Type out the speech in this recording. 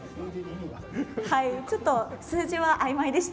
ちょっと、数字はあいまいでした。